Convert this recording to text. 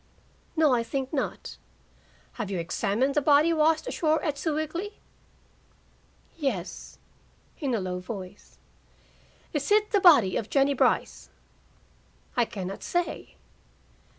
"No, I think not." "Have you examined the body washed ashore at Sewickley?" "Yes " in a low voice. "Is it the body of Jennie Brice?" "I can not say."